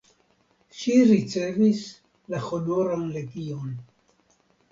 Ŝi ricevis la honoran legion.